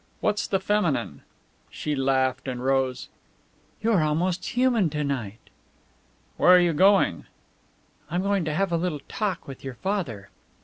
What's the feminine?" She laughed and rose. "You are almost human to night." "Where are you going?" "I'm going to have a little talk with your father."